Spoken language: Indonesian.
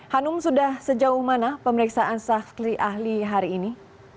hanum sudah sejauh mana pemeriksaan saksi ahli hari ini